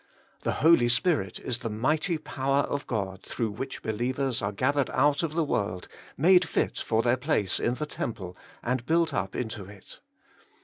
The Holy Spirit is the mighty power of God through which believers are gathered out of the world made fit for their place in the tem ple, and built up into it.